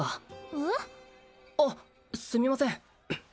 えっ？あっすみません